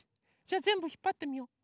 じゃあぜんぶひっぱってみよう。